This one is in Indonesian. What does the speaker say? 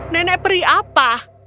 nenek peri apa